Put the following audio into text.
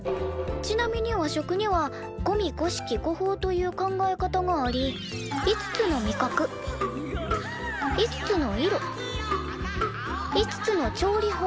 「ちなみに和食には五味五色五法という考え方があり五つの味覚五つの色五つの調理法